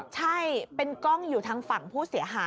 ใช่เป็นกล้องอยู่ทางฝั่งผู้เสียหาย